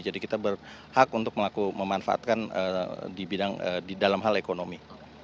jadi kita berhak untuk memanfaatkan di dalam hal ekonomi